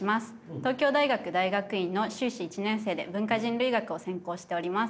東京大学大学院の修士１年生で文化人類学を専攻しております。